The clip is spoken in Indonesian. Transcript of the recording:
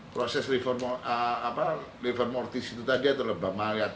proses livor mortis itu tadi atau lebah mayat